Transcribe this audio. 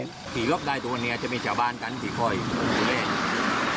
มันพี่ล๊อคได้ตัวเนี่ยจะมีชาวบ้านการพี่คอยดูแล